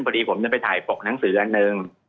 พอดีผมจะไปถ่ายปกหนังสืออันหนึ่ง